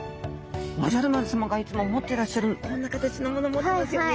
おじゃる丸さまがいつも持ってらっしゃるこんな形のもの持ってますよね